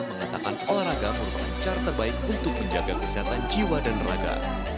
mengatakan olahraga merupakan cara terbaik untuk menjaga kesehatan jiwa dan raga